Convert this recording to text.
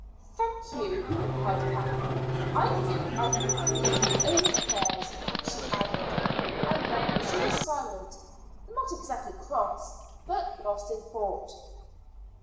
"Thank you," replied Kathleen. "I think I can manage my own affairs," she added, and then she was silent, not exactly cross, but lost in thought.